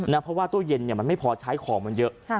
เพราะว่าตู้เย็นมันไม่พอใช้ของมันเยอะ